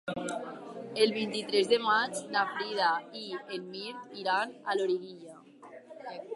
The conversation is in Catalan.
El vint-i-tres de maig na Frida i en Mirt iran a Loriguilla.